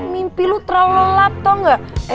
mimpi lo terlalu lelap atau nggak